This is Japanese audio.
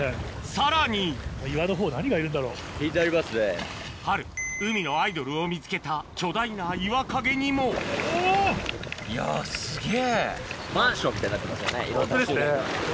さらに春海のアイドルを見つけた巨大な岩陰にもいやすげぇ。